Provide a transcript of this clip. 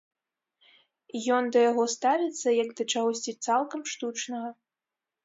Ён да яго ставіцца як да чагосьці цалкам штучнага.